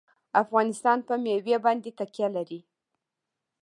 افغانستان په مېوې باندې تکیه لري.